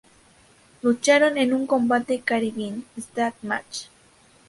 Lucharon en un combate Caribbean Strap Match.